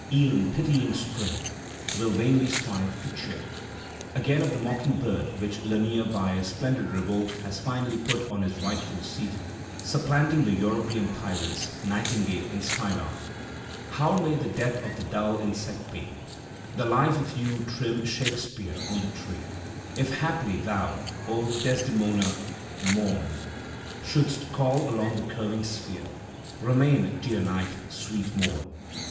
E'en pitying Spring, will vainly strive to cheer. Again, of the mocking bird (which Lanier by a splendid revolt has finally put on his rightful seat, supplanting the European tyrants, nightingale and skylark) : How may the death of that dull insect be The life of yon trim Shakspere on the tree? If haply thou, O Desdemona Mom, Shouldst call along the curving sphere, ''Remain Dear Night, sweet Moor."